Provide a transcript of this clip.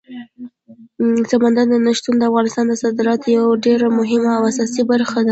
سمندر نه شتون د افغانستان د صادراتو یوه ډېره مهمه او اساسي برخه ده.